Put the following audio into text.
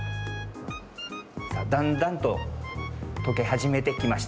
さあだんだんととけはじめてきました。